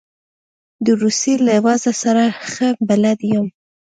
د روسیې له وضع سره ښه بلد یم.